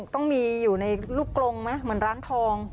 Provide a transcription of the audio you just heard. ต้องมีอยู่ในลูกกลงไหมเหมือนร้านทอง